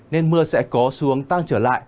nên mưa sẽ có xu hướng tăng trở lại